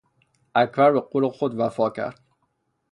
اکبر به قول خود وفا کرد.